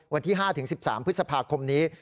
วันที่๕๑๓พฤษภาคมนี้